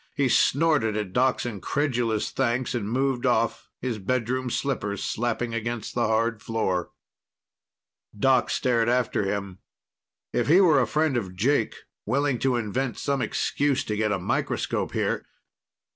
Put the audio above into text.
He snorted at Doc's incredulous thanks and moved off, his bedroom slippers slapping against the hard floor. Doc stared after him. If he were a friend of Jake, willing to invent some excuse to get a microscope here